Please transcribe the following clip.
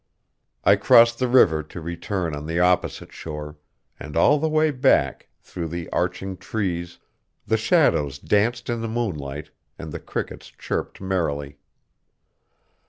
I crossed the river to return on the opposite shore, and all the way back, through the arching trees, the shadows danced in the moonlight and the crickets chirped merrily.